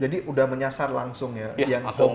jadi sudah menyasar langsung ya yang hobinya